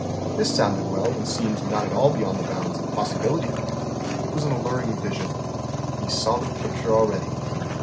This sounded well, and seemed not at all beyond the bounds of possibility. It was an alluring vision. He saw the picture already.